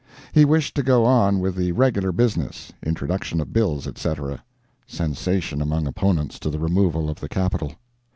He wished to go on with the regular business—introduction of bills etc. [Sensation among opponents to the removal of the Capital.